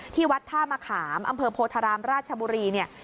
ที่วัดท่ามะขามอำเภอโพธารามราชบุรีเนี่ย